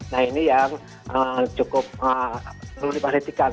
nah ini yang cukup perlu diperhatikan